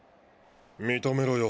認めろよ。